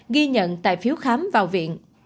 ghi nhận tại phiếu khám vào viện